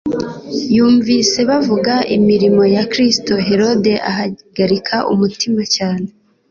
Yumvise bavuga imirimo ya Kristo, Herode ahagarika umutima cyane.